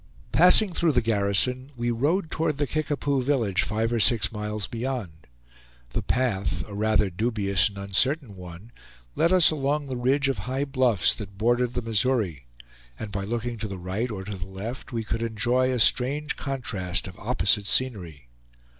Passing through the garrison, we rode toward the Kickapoo village, five or six miles beyond. The path, a rather dubious and uncertain one, led us along the ridge of high bluffs that bordered the Missouri; and by looking to the right or to the left, we could enjoy a strange contrast of opposite scenery.